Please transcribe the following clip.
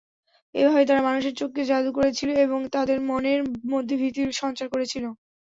এভাবে তারা মানুষের চোখকে জাদু করেছিল এবং তাদের মনের মধ্যে ভীতির সঞ্চার করেছিল।